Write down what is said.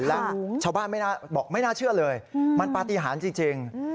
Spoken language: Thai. แล้วชาวบ้านบอกไม่น่าเชื่อเลยมันปฏิหารจริง